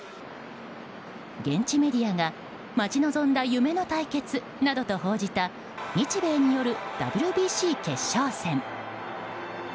現地メディアが待ち望んだ夢の対決などと報じた日米によるＷＢＣ決勝戦。